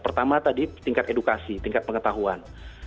pertama tadi tingkat edukasi tingkat pengetahuan